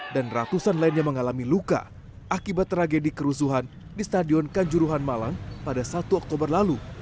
ratusan lainnya mengalami luka akibat tragedi kerusuhan di stadion kanjuruhan malang pada satu oktober lalu